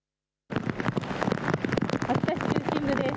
秋田市中心部です。